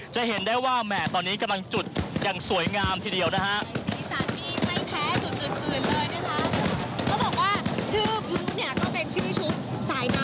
จะเห็นได้ว่าแหม่ตอนนี้กำลังจุดอย่างสวยงามทีเดียวนะฮะ